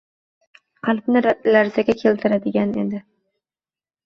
qalbni larzaga keltiradigan edi.